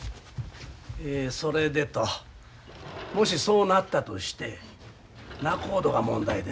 それでともしそうなったとして仲人が問題でんな。